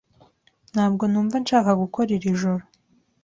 Ntabwo numva nshaka gukora iri joro.